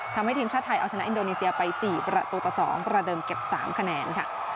ทำให้ทีมชาติไทยเอาชนะอินโดนีเซียไป๔ประตูต่อ๒ประเดิมเก็บ๓คะแนนค่ะ